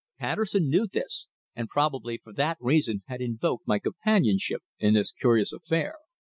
Patterson knew this, and probably for that reason had invoked my companionship in this curious affair.